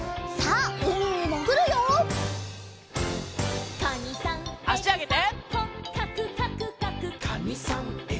あしあげて。